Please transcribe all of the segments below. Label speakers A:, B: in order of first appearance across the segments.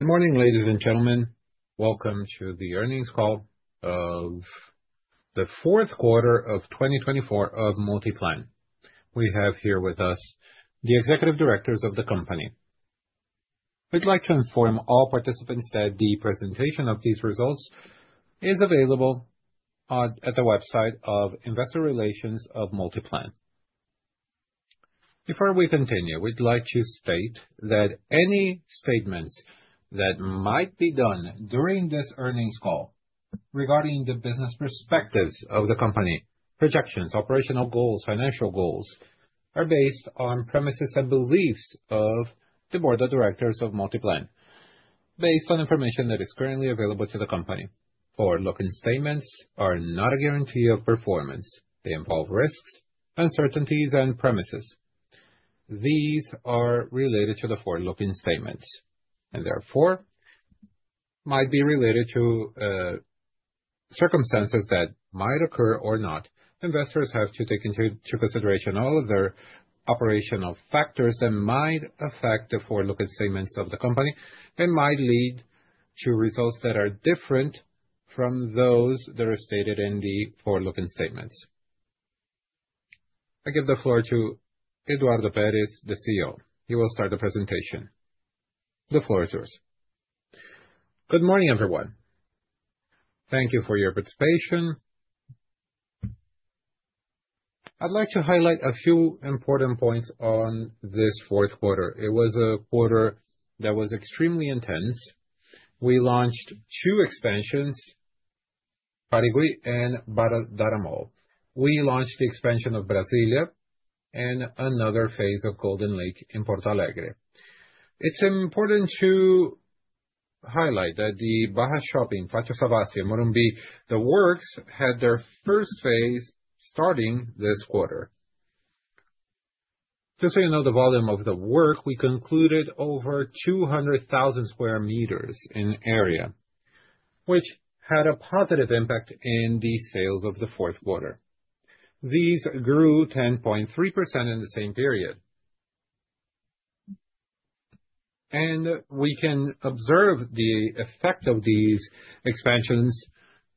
A: Good morning, ladies and gentlemen. Welcome To The Earnings Call Of The Q4 Of 2024 of Multiplan. We have here with us the executive directors of the company. We'd like to inform all participants that the presentation of these results is available at the website of Investor Relations of Multiplan. Before we continue, we'd like to state that any statements that might be done during this earnings call regarding the business perspectives of the company, projections, operational goals, and financial goals are based on premises and beliefs of the board of directors of Multiplan, based on information that is currently available to the company. Forward-looking statements are not a guarantee of performance. They involve risks, uncertainties, and premises. These are related to the forward-looking statements and therefore might be related to circumstances that might occur or not. Investors have to take into consideration all of their operational factors that might affect the forward-looking statements of the company and might lead to results that are different from those that are stated in the forward-looking statements. I give the floor to Eduardo Peres, the CEO. He will start the presentation. The floor is yours.
B: Good morning, everyone. Thank you for your participation. I'd like to highlight a few important points on this Q4. It was a quarter that was extremely intense. We launched two expansions, ParkShoppingBarigüi and DiamondMall. We launched the expansion of Brasília and another phase of Golden Lake in Porto Alegre. It's important to highlight that the BarraShopping, Pátio Savassi, and MorumbiShopping The works had their first phase starting this quarter. Just so you know the volume of the work, we concluded over 200,000 square meters in area, which had a positive impact in the sales of the Q4. These grew 10.3% in the same period, and we can observe the effect of these expansions.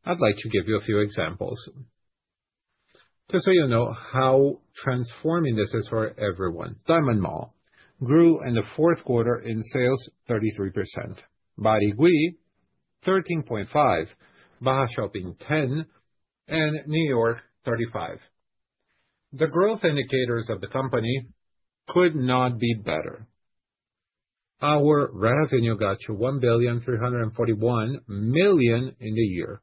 B: I'd like to give you a few examples just so you know how transforming this is for everyone. DiamondMall grew in the Q4 in sales 33%, Barigüi 13.5%, BarraShopping 10%, and New York 35%. The growth indicators of the company could not be better. Our revenue got to 1.341 billion in the year.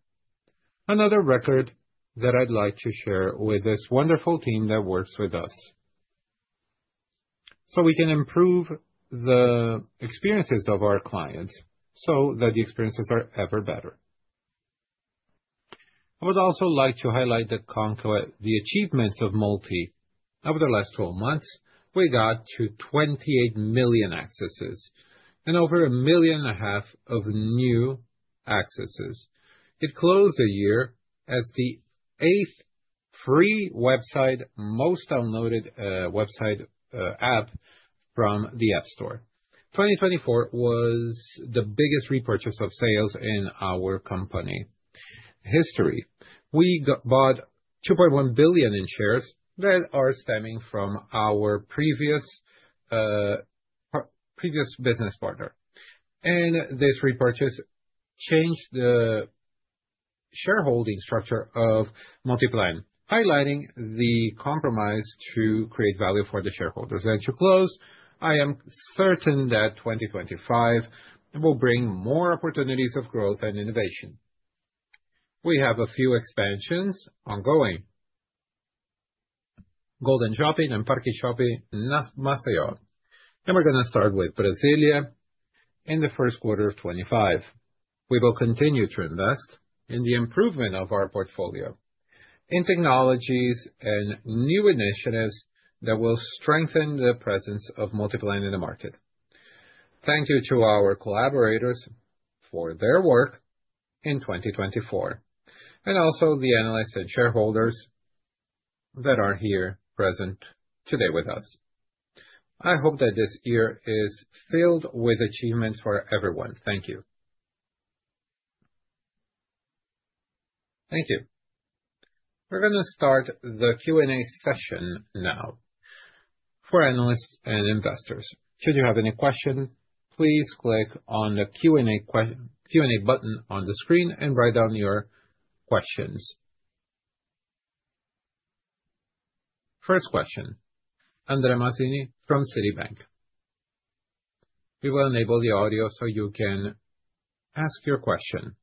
B: Another record that I'd like to share with this wonderful team that works with us so we can improve the experiences of our clients so that the experiences are ever better. I would also like to highlight the achievements of Multi. Over the last 12 months, we got to 28 million accesses and over a million and a half of new accesses. It closed the year as the eighth free website, most downloaded website app from the App Store. 2024 was the biggest repurchase of shares in our company history. We bought 2.1 billion in shares that are stemming from our previous business partner, and this repurchase changed the shareholding structure of Multiplan, highlighting the commitment to create value for the shareholders, and to close, I am certain that 2025 will bring more opportunities of growth and innovation. We have a few expansions ongoing: Golden Shopping and Parque Shopping Maceió, and we're going to start with Brasília in the Q1 of 2025. We will continue to invest in the improvement of our portfolio in technologies and new initiatives that will strengthen the presence of Multiplan in the market. Thank you to our collaborators for their work in 2024, and also the analysts and shareholders that are here present today with us. I hope that this year is filled with achievements for everyone. Thank you.
A: Thank you. We're going to start the Q&A session now for analysts and investors. Should you have any questions, please click on the Q&A button on the screen and write down your questions. First question, Andre Mazini from Citi. We will enable the audio so you can ask your question.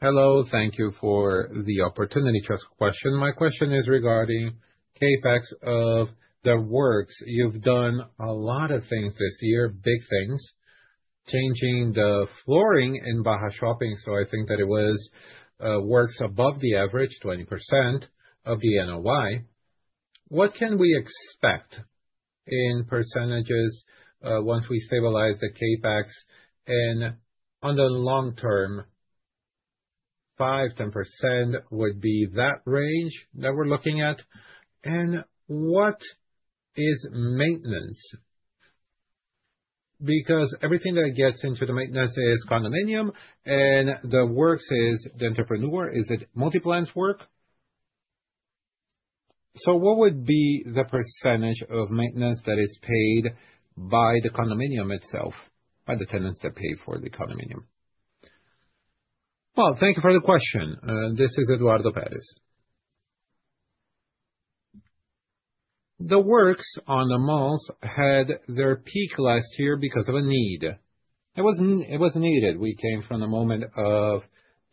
C: Hello, thank you for the opportunity to ask a question. My question is regarding the CapEx of The works. You've done a lot of things this year, big things, changing the flooring in BarraShopping. So I think that it was works above the average, 20% of the NOI. What can we expect in percentages once we stabilize the CapEx? On the long term, 5% to 10% would be that range that we're looking at. What is maintenance? Because everything that gets into the maintenance is condominium, and The works is the enterprise. Is it Multiplan's work? So what would be the percentage of maintenance that is paid by the condominium itself, by the tenants that pay for the condominium?
B: Thank you for the question. This is Eduardo Peres. The works on the malls had their peak last year because of a need. It was needed. We came from the moment of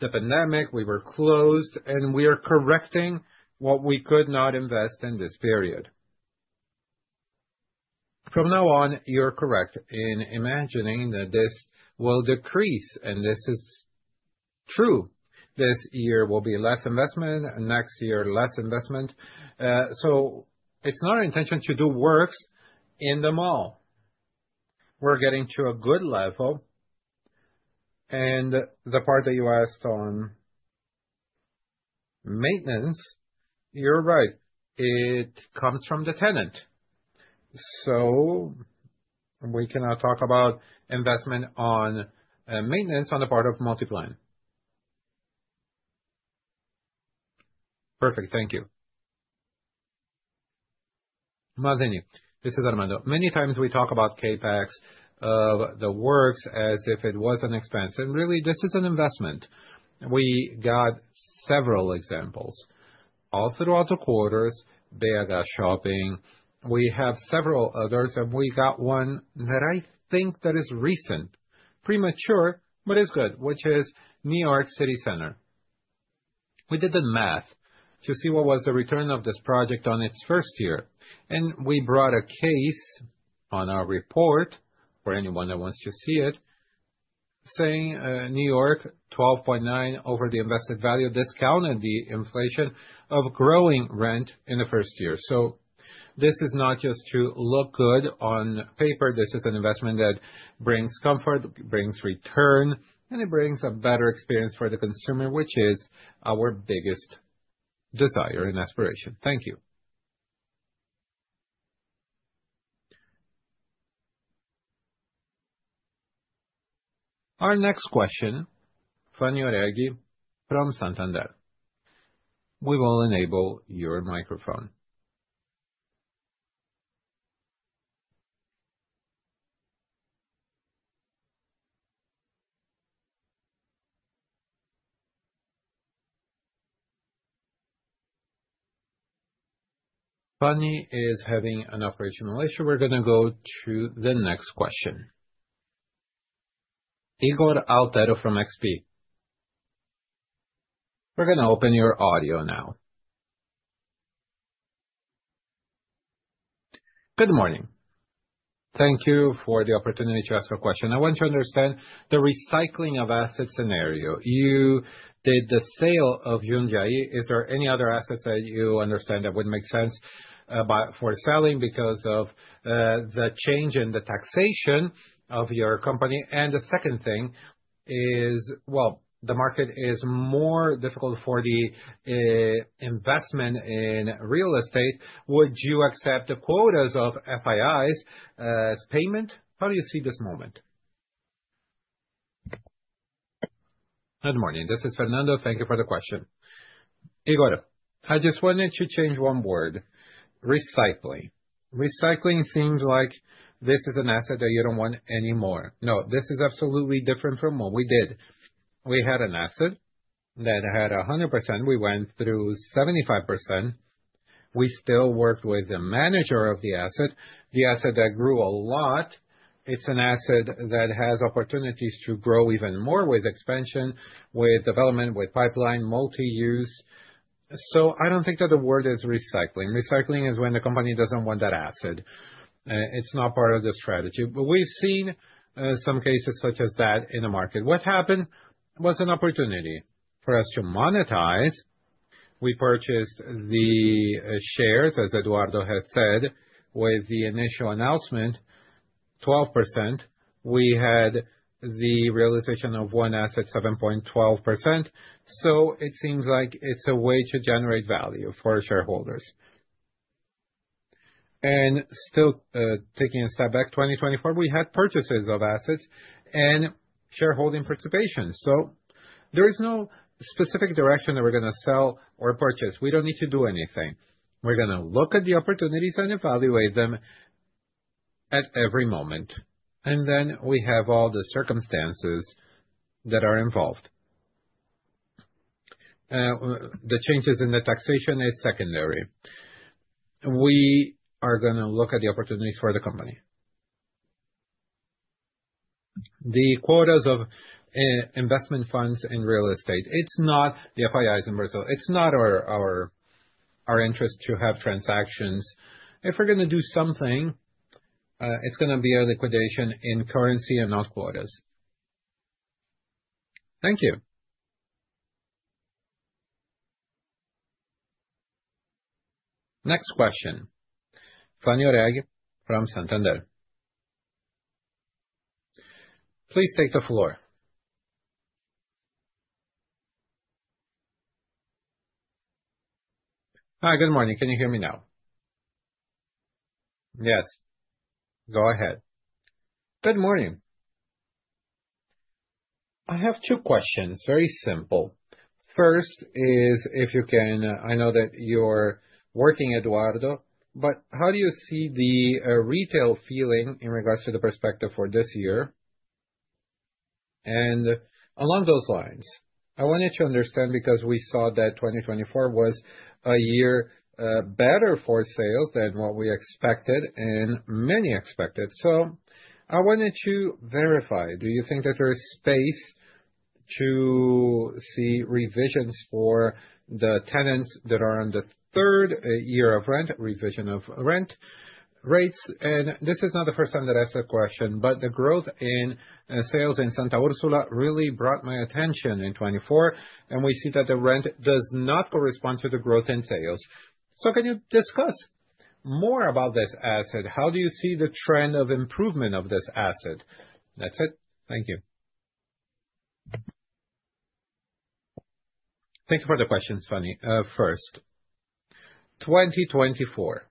B: the pandemic. We were closed, and we are correcting what we could not invest in this period. From now on, you're correct in imagining that this will decrease, and this is true. This year will be less investment, next year less investment. So it's not our intention to do works in the mall. We're getting to a good level. The part that you asked on maintenance, you're right. It comes from the tenant. So we cannot talk about investment on maintenance on the part of Multiplan.
D: Perfect. Thank you. Mazini, this is Armando. Many times we talk about CapEx of The works as if it was an expense. Really, this is an investment. We got several examples all throughout the quarters, BH Shopping. We have several others, and we got one that I think that is recent, premature, but it's good, which is New York City Center. We did the math to see what was the return of this project on its first year. We brought a case on our report for anyone that wants to see it, saying New York 12.9% over the invested value discounted the inflation of growing rent in the first year. So this is not just to look good on paper. This is an investment that brings comfort, brings return, and it brings a better experience for the consumer, which is our biggest desire and aspiration. Thank you.
A: Our next question, Fanny Oreng from Santander. We will enable your microphone. Fanny is having an operational issue. We're going to go to the next question. Ygor Altero from XP. We're going to open your audio now.
E: Good morning. Thank you for the opportunity to ask a question. I want to understand the recycling of assets scenario. You did the sale of JundiaíShopping. Is there any other assets that you understand that would make sense for selling because of the change in the taxation of your company? And the second thing is, well, the market is more difficult for the investment in real estate. Would you accept the quotas of FIIs as payment? How do you see this moment?
D: Good morning. This is Armando. Thank you for the question. Ygor, I just wanted to change one word, recycling. Recycling seems like this is an asset that you don't want anymore. No, this is absolutely different from what we did. We had an asset that had 100%. We went through 75%. We still worked with the manager of the asset, the asset that grew a lot. It's an asset that has opportunities to grow even more with expansion, with development, with pipeline, multi-use. So I don't think that the word is recycling. Recycling is when the company doesn't want that asset. It's not part of the strategy. But we've seen some cases such as that in the market. What happened was an opportunity for us to monetize. We purchased the shares, as Eduardo has said, with the initial announcement, 12%. We had the realization of one asset, 7.12%, so it seems like it's a way to generate value for shareholders, and still taking a step back, 2024, we had purchases of assets and shareholding participation, so there is no specific direction that we're going to sell or purchase. We don't need to do anything. We're going to look at the opportunities and evaluate them at every moment, and then we have all the circumstances that are involved. The changes in the taxation are secondary. We are going to look at the opportunities for the company. The quotas of investment funds in real estate. It's not the FIIs in Brazil. It's not our interest to have transactions. If we're going to do something, it's going to be a liquidation in currency and not quotas. Thank you. Next question, Fanny Oreng from Santander. Please take the floor.
F: Hi, good morning. Can you hear me now?
A: Yes. Go ahead.
F: Good morning. I have two questions, very simple. First, if you can, I know that you're working, Eduardo, but how do you see the retail feeling in regards to the perspective for this year? And along those lines, I wanted to understand because we saw that 2024 was a year better for sales than what we expected and many expected. So I wanted to verify, do you think that there is space to see revisions for the tenants that are on the third year of rent, revision of rent rates? And this is not the first time that I asked the question, but the growth in sales in Santa Úrsula really brought my attention in '24, and we see that the rent does not correspond to the growth in sales. So can you discuss more about this asset? How do you see the trend of improvement of this asset? That's it. Thank you.
B: Thank you for the questions, Fanny. First, 2024.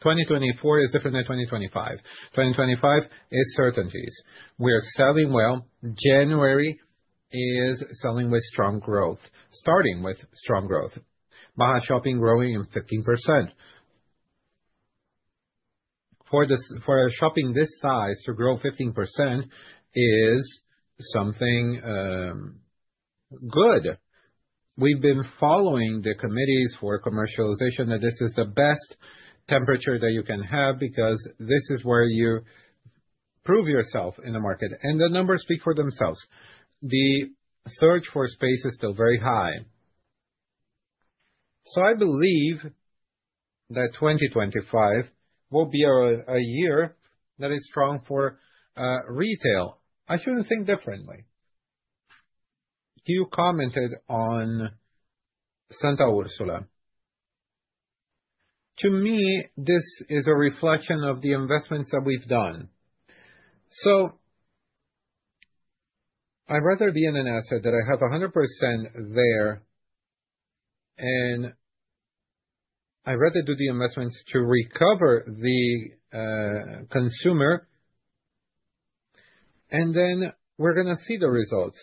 B: 2024 is different than 2025. 2025 is certainties. We are selling well. January is selling with strong growth, starting with strong growth. BarraShopping growing 15%. For a shopping this size to grow 15% is something good. We've been following the committees for commercialization that this is the best temperature that you can have because this is where you prove yourself in the market. And the numbers speak for themselves. The search for space is still very high. So I believe that 2025 will be a year that is strong for retail. I shouldn't think differently. You commented on Santa Úrsula. To me, this is a reflection of the investments that we've done. So, I'd rather be in an asset that I have 100% there, and I'd rather do the investments to recover the consumer, and then we're going to see the results.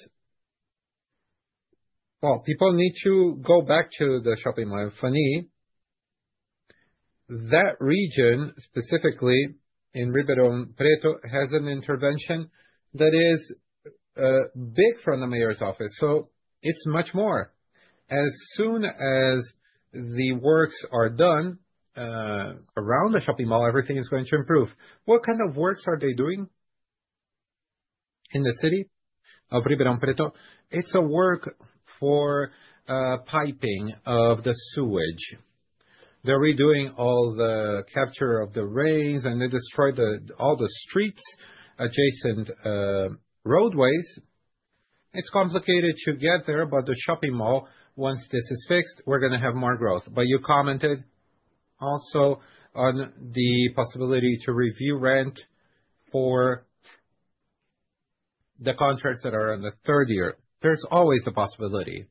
B: Well, people need to go back to the shopping mall. Fanny, that region specifically in Ribeirão Preto has an intervention that is big from the mayor's office. So it's much more. As soon as The works are done around the shopping mall, everything is going to improve. What kind of works are they doing in the city of Ribeirão Preto? It's a work for piping of the sewage. They're redoing all the capture of the rains, and they destroyed all the streets, adjacent roadways. It's complicated to get there, but the shopping mall, once this is fixed, we're going to have more growth. But you commented also on the possibility to review rent for the contracts that are on the third year. There's always a possibility.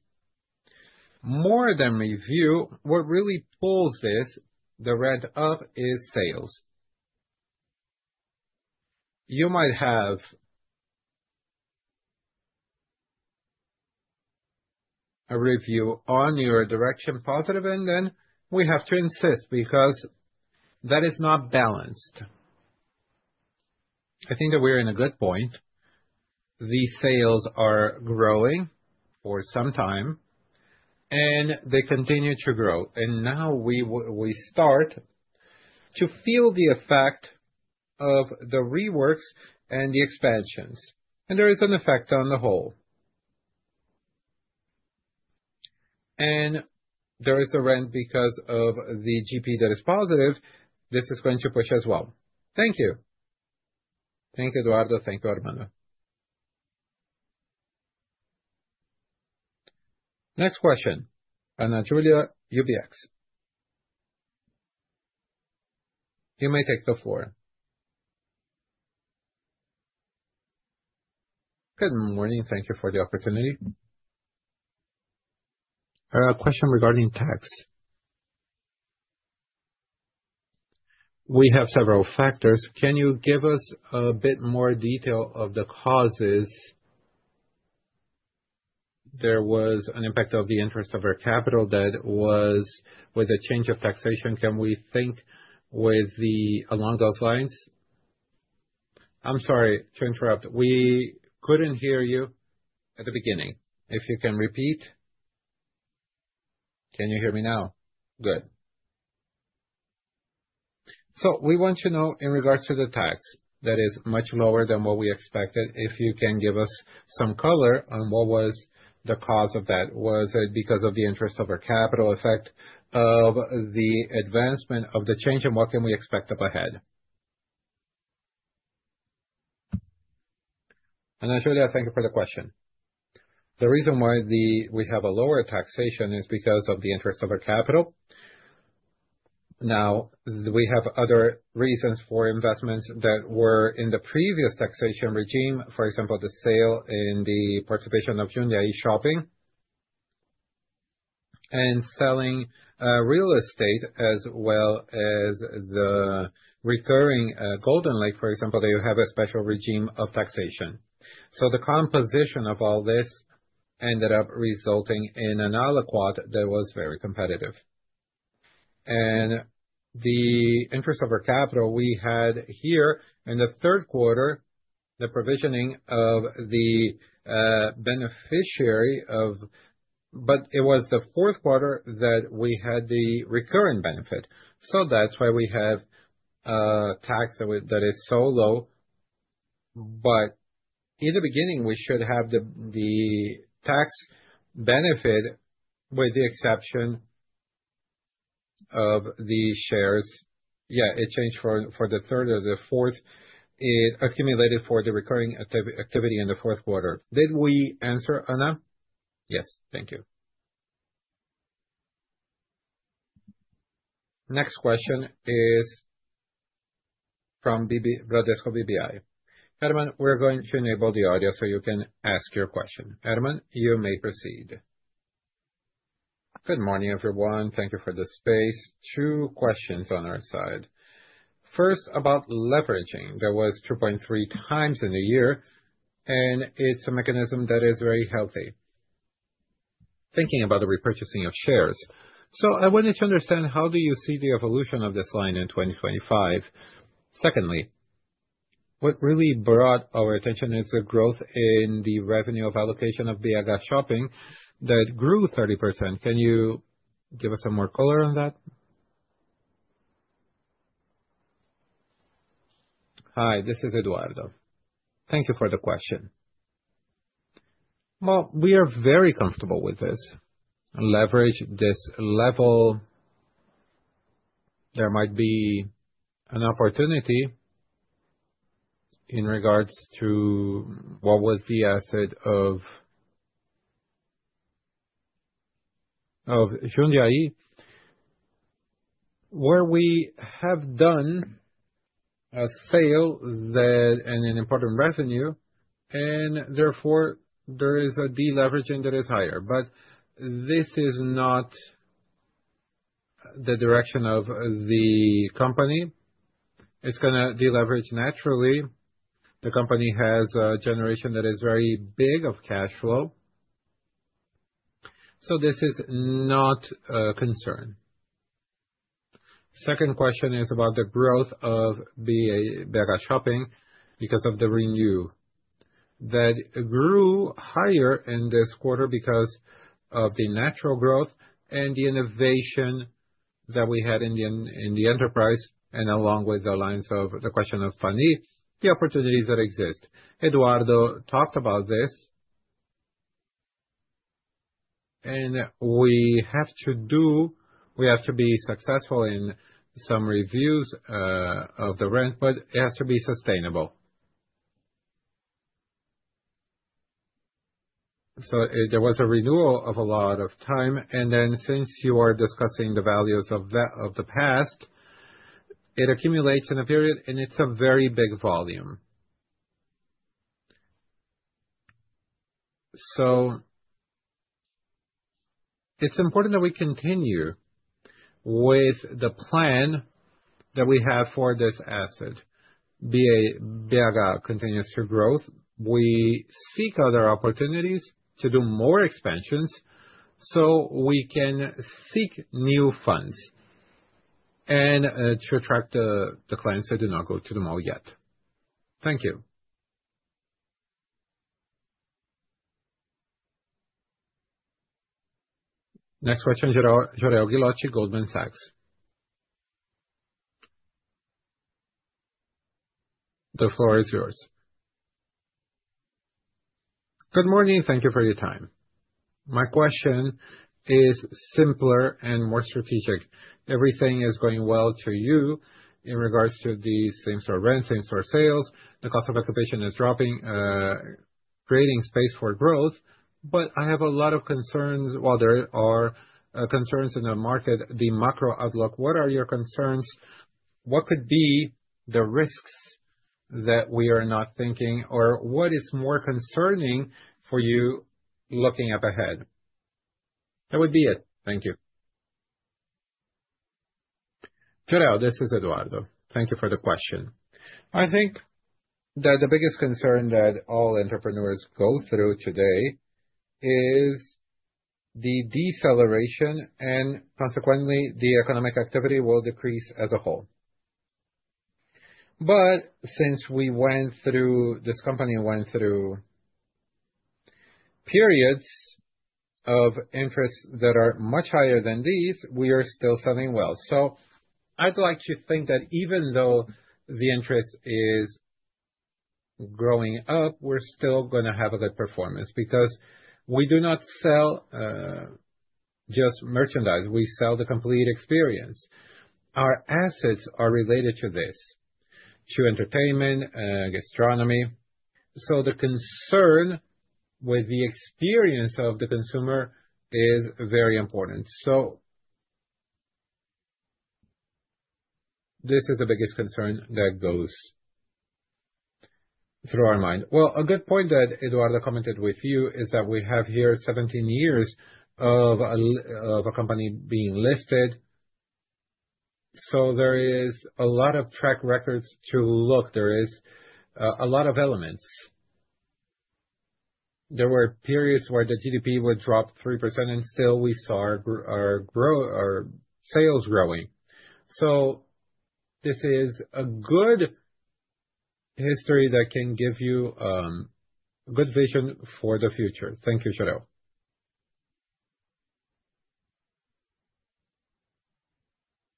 B: More than review, what really pulls the rent up is sales. You might have a review on your direction positive, and then we have to insist because that is not balanced. I think that we're in a good point. The sales are growing for some time, and they continue to grow. And now we start to feel the effect of the reworks and the expansions. And there is an effect on the whole. And there is a rent because of the GP that is positive. This is going to push as well. Thank you.
F: Thank you, Eduardo. Thank you, Armando.
A: Next question, Ana Julia, UBS BB. You may take the floor.
G: Good morning. Thank you for the opportunity. Question regarding tax. We have several factors. Can you give us a bit more detail of the causes? There was an impact of the Interest on Equity that was with a change of taxation. Can we think along those lines?
A: I'm sorry to interrupt. We couldn't hear you at the beginning. If you can repeat,
G: Can you hear me now?
H: Good.
G: So we want to know in regards to the tax that is much lower than what we expected. If you can give us some color on what was the cause of that. Was it because of the Interest on Equity, effect of the advancement of the change, and what can we expect up ahead?
B: Ana Julia, thank you for the question. The reason why we have a lower taxation is because of the Interest on Equity. Now, we have other reasons for investments that were in the previous taxation regime. For example, the sale in the participation of JundiaíShopping and selling real estate as well as the recurring Golden Lake, for example, they have a special regime of taxation. So the composition of all this ended up resulting in an aliquot that was very competitive. And the interest of our capital we had here in the Q3, the provisioning of the beneficiary of, but it was the Q4 that we had the recurring benefit. So that's why we have tax that is so low. But in the beginning, we should have the tax benefit with the exception of the shares. Yeah, it changed for the third or the fourth. It accumulated for the recurring activity in the Q4. Did we answer, Ana?
G: Yes. Thank you.
A: `Next question is from Bradesco BBI. Renan, we're going to enable the audio so you can ask your question. Renan, you may proceed.
I: Good morning, everyone. Thank you for the space. Two questions on our side. First, about leverage. There was 2.3 times in a year, and it's a mechanism that is very healthy. Thinking about the repurchasing of shares. So I wanted to understand how do you see the evolution of this line in 2025? Secondly, what really brought our attention is the growth in the revenue of allocation of BH Shopping that grew 30%. Can you give us some more color on that?
D: Hi, this is Eduardo. Thank you for the question. Well, we are very comfortable with this leverage level. There might be an opportunity in regards to what was the asset of JundiaíShopping. Where we have done a sale and an important revenue, and therefore there is a deleveraging that is higher. But this is not the direction of the company. It's going to deleverage naturally. The company has a generation that is very big of cash flow. So this is not a concern. Second question is about the growth of BH Shopping because of the renewal that grew higher in this quarter because of the natural growth and the innovation that we had in the enterprise and along with the lines of the question of Fanny, the opportunities that exist. Eduardo talked about this, and we have to do, we have to be successful in some reviews of the rent, but it has to be sustainable. So there was a renewal of a lot of time, and then since you are discussing the values of the past, it accumulates in a period, and it's a very big volume. So it's important that we continue with the plan that we have for this asset. BH Shopping continues to growth. We seek other opportunities to do more expansions so we can seek new funds and to attract the clients that do not go to the mall yet. Thank you.
B: Next question, Jorel Guilloty, Goldman Sachs. The floor is yours.
J: Good morning. Thank you for your time. My question is simpler and more strategic. Everything is going well to you in regards to the same store rent, same store sales. The cost of occupancy is dropping, creating space for growth. But I have a lot of concerns. While there are concerns in the market, the macro outlook, what are your concerns? What could be the risks that we are not thinking, or what is more concerning for you looking up ahead? That would be it. Thank you.
D: Jorel, this is Eduardo. Thank you for the question. I think that the biggest concern that all entrepreneurs go through today is the deceleration, and consequently the economic activity will decrease as a whole. Since we went through, this company went through periods of interest that are much higher than these, we are still selling well. I'd like to think that even though the interest is growing up, we're still going to have a good performance because we do not sell just merchandise. We sell the complete experience. Our assets are related to this, to entertainment, gastronomy. The concern with the experience of the consumer is very important. This is the biggest concern that goes through our mind. A good point that Eduardo commented with you is that we have here 17 years of a company being listed. There is a lot of track records to look. There is a lot of elements. There were periods where the GDP would drop 3%, and still we saw our sales growing. So this is a good history that can give you a good vision for the future. Thank you, Jorel.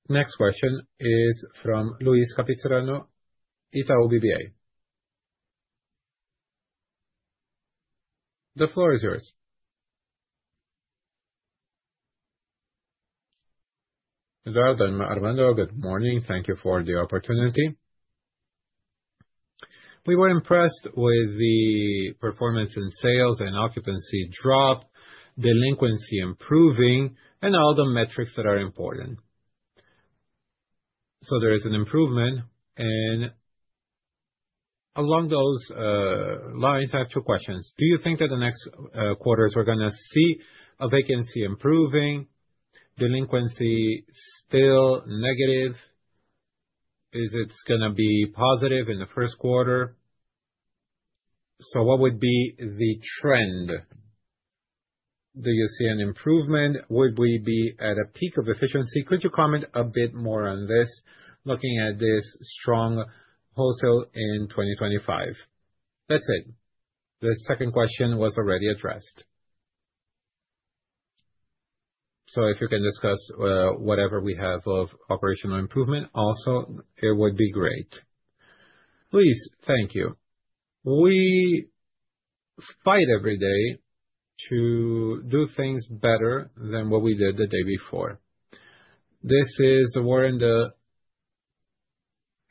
A: Next question is from Luiz Capistrano, Itaú BBA. The floor is yours.
K: Eduardo and Armando, good morning. Thank you for the opportunity. We were impressed with the performance in sales and occupancy drop, delinquency improving, and all the metrics that are important. So there is an improvement. And along those lines, I have two questions. Do you think that the next quarters we're going to see a vacancy improving, delinquency still negative? Is it going to be positive in the Q1? So what would be the trend? Do you see an improvement? Would we be at a peak of efficiency? Could you comment a bit more on this, looking at this strong wholesale in 2025? That's it. The second question was already addressed. So if you can discuss whatever we have of operational improvement, also it would be great.
D: Luis, thank you. We fight every day to do things better than what we did the day before. This is the word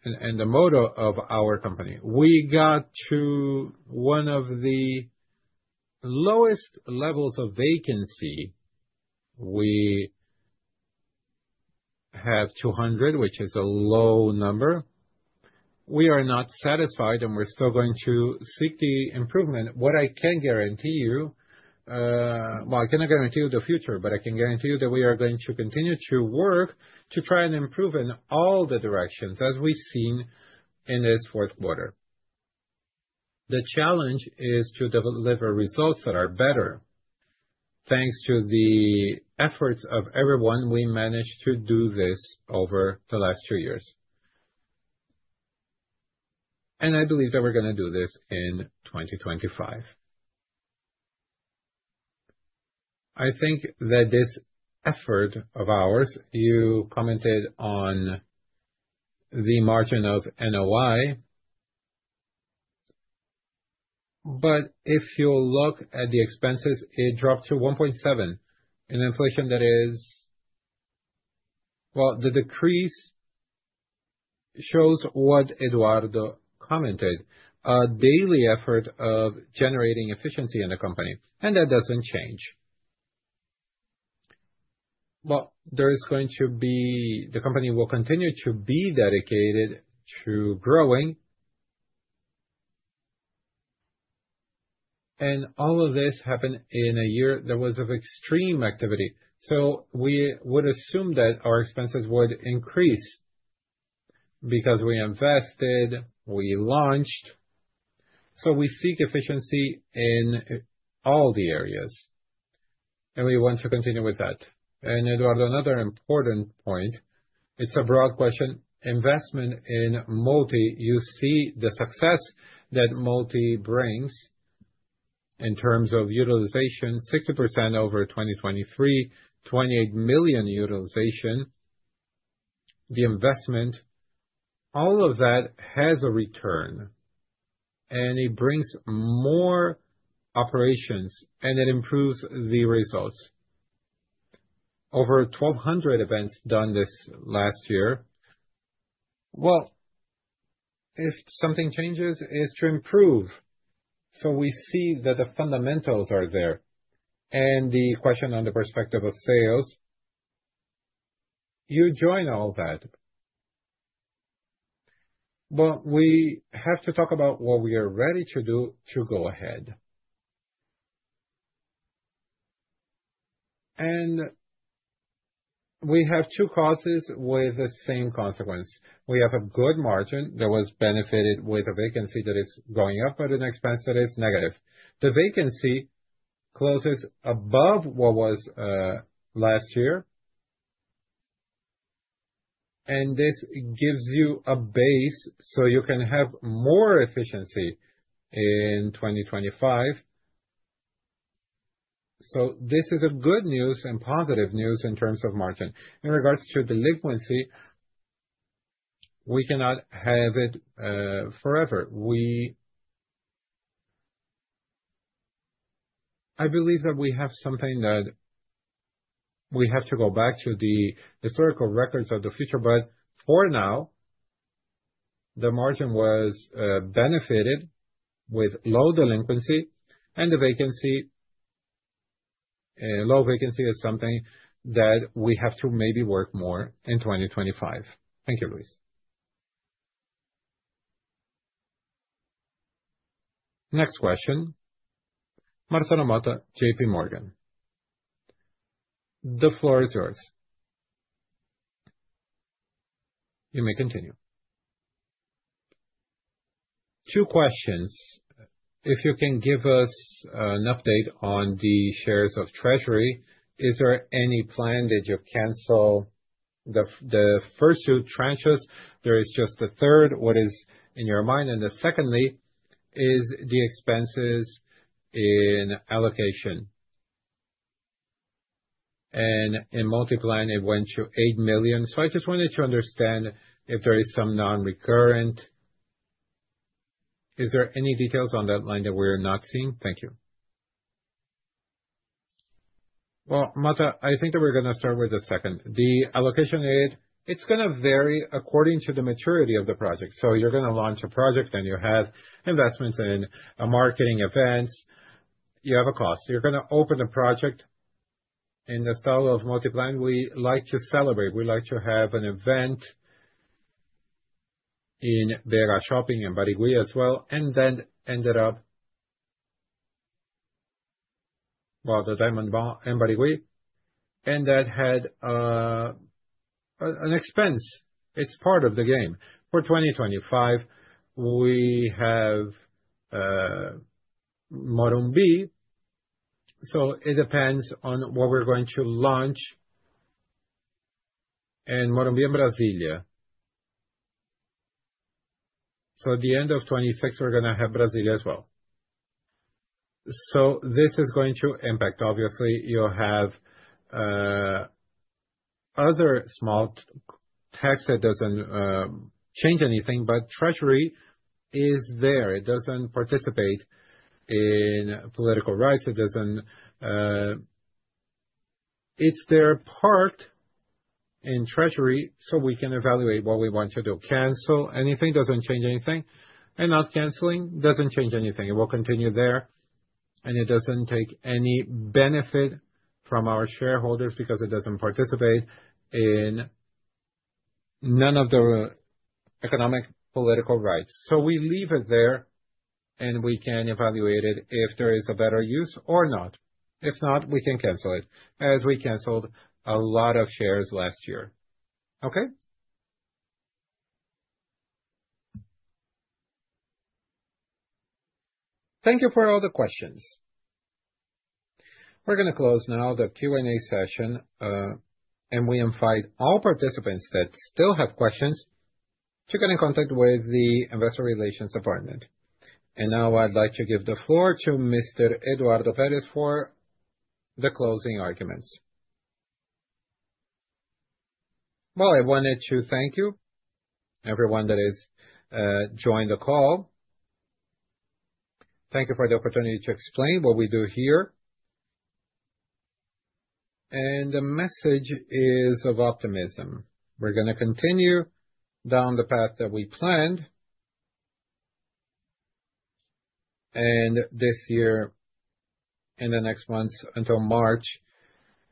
D: and the motto of our company. We got to one of the lowest levels of vacancy. We have 200, which is a low number. We are not satisfied, and we're still going to seek the improvement. What I can guarantee you, well, I cannot guarantee you the future, but I can guarantee you that we are going to continue to work to try and improve in all the directions as we've seen in this Q4. The challenge is to deliver results that are better. Thanks to the efforts of everyone, we managed to do this over the last two years, and I believe that we're going to do this in 2025. I think that this effort of ours, you commented on the margin of NOI, but if you look at the expenses, it dropped to 1.7% in inflation that is, well, the decrease shows what Eduardo commented, a daily effort of generating efficiency in the company, and that doesn't change. Well, there is going to be, the company will continue to be dedicated to growing, and all of this happened in a year that was of extreme activity, so we would assume that our expenses would increase because we invested, we launched, so we seek efficiency in all the areas, and we want to continue with that. And Eduardo, another important point, it's a broad question. Investment in Multi. You see the success that Multi brings in terms of utilization, 60% over 2023, 28 million utilization. The investment, all of that has a return, and it brings more operations, and it improves the results. Over 1,200 events done this last year. If something changes, it's to improve. We see that the fundamentals are there, and the question on the perspective of sales, you join all that. We have to talk about what we are ready to do to go ahead, and we have two causes with the same consequence. We have a good margin that was benefited with a vacancy that is going up, but an expense that is negative. The vacancy closes above what was last year, and this gives you a base so you can have more efficiency in 2025. So this is good news and positive news in terms of margin. In regards to delinquency, we cannot have it forever. I believe that we have something that we have to go back to the historical records of the future, but for now, the margin was benefited with low delinquency and the vacancy. Low vacancy is something that we have to maybe work more in 2025. Thank you, Luiz.
A: Next question. Marcelo Motta, J.P. Morgan. The floor is yours. You may continue.
L: Two questions. If you can give us an update on the shares of Treasury, is there any plan that you cancel the first two tranches? There is just the third. What is in your mind? And secondly is the expenses in allocation. And in Multiplan, it went to 8 million. So I just wanted to understand if there is some non-recurring. Is there any details on that line that we are not seeing? Thank you.
B: Well, Motta, I think that we're going to start with the second. The allocation aid, it's going to vary according to the maturity of the project. So you're going to launch a project and you have investments in marketing events. You have a cost. You're going to open a project. In the style of Multiplan, we like to celebrate. We like to have an event in BH Shopping and Barigüi as well, and then ended up, well, the DiamondMall and Barigüi, and that had an expense. It's part of the game. For 2025, we have Morumbi. So it depends on what we're going to launch in Morumbi and Brasília. So at the end of 2026, we're going to have Brasília as well. So this is going to impact. Obviously, you'll have other small tax that doesn't change anything, but Treasury is there. It doesn't participate in political rights. It's their part in Treasury so we can evaluate what we want to do. Cancel anything doesn't change anything. And not canceling doesn't change anything. It will continue there. And it doesn't take any benefit from our shareholders because it doesn't participate in none of the economic political rights. So we leave it there and we can evaluate it if there is a better use or not. If not, we can cancel it as we canceled a lot of shares last year. Okay?
A: Thank you for all the questions. We're going to close now the Q&A session. And we invite all participants that still have questions, to get in contact with the Investor Relations Department. And now I'd like to give the floor to Mr. Eduardo Peres for the closing arguments.
B: I wanted to thank you, everyone that has joined the call. Thank you for the opportunity to explain what we do here. The message is of optimism. We're going to continue down the path that we planned. This year and the next months until March,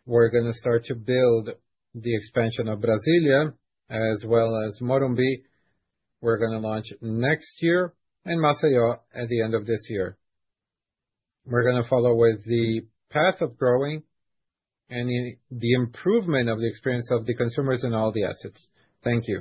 B: we're going to start to build the expansion of Brasília as well as Morumbi. We're going to launch next year and Maceió at the end of this year. We're going to follow with the path of growing and the improvement of the experience of the consumers and all the assets. Thank you.